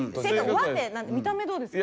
見た目どうですか？